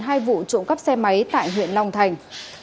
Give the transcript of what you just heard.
hai vụ trộm cắp xe máy tại huyện long thành